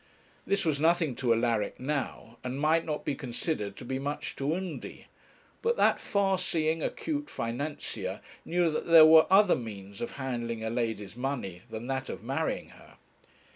This was nothing to Alaric now, and might not be considered to be much to Undy. But that far seeing, acute financier knew that there were other means of handling a lady's money than that of marrying her.